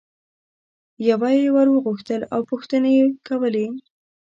یوه یي ور غوښتل او پوښتنې یې کولې.